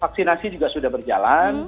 vaksinasi juga sudah berjalan